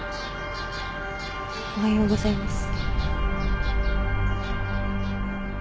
おはようございます。